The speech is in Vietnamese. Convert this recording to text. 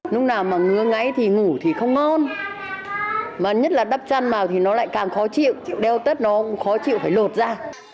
lúc nào mà ngứa ngáy thì ngủ thì không ngon mà nhất là đắp chăn vào thì nó lại càng khó chịu đeo tất nó khó chịu phải lột ra